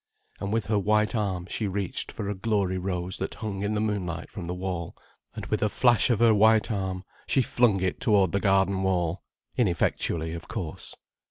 And with her white arm she reached for a glory rose that hung in the moonlight from the wall, and with a flash of her white arm she flung it toward the garden wall—ineffectually, of course.